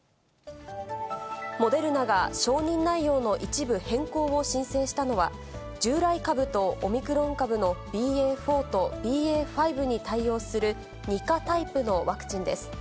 モデルナが承認内容の一部変更を申請したのは、従来株とオミクロン株のＢＡ．４とＢＡ．５に対応する２価タイプのワクチンです。